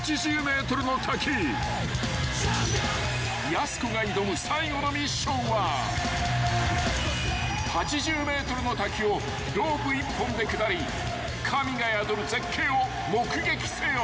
［やす子が挑む最後のミッションは８０ｍの滝をロープ１本で下り神が宿る絶景を目撃せよ］